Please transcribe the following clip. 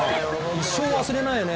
一生、忘れないよね